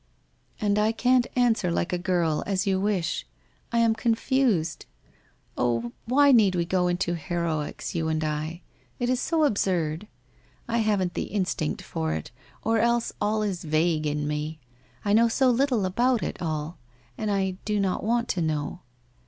' And I can't answer like a girl, as you wish. I am con fused. Oh, why need we go into heroics, you and I ? It is so absurd. I haven't the instinct for it, or else all is vague in me. I know so little about it all, and I do not want to know.'